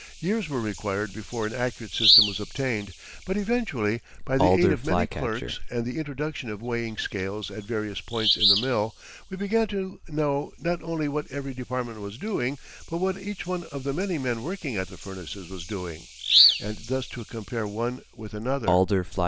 Years were required before an accurate system was obtained, but eventually, by the aid of many clerks and the introduction of weighing scales at various points in the mill, we began to know not only what every department was doing, but what each one of the many men working at the furnaces was doing, and thus to compare one with another.